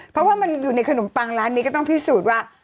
เพราะว่ามันอยู่ในขนมปังร้านนี้ก็ต้องพิสูจน์ว่า